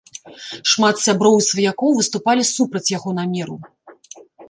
Шмат сяброў і сваякоў выступалі супраць яго намеру.